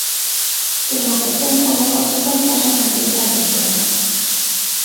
E o que ten como consecuencia son as listas de espera.